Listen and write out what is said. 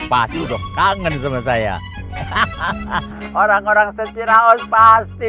pasti udah kangen sama saya hahaha orang orang setiraus pasti